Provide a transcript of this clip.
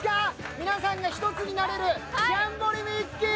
皆さんが１つになれるジャンボリミッキー！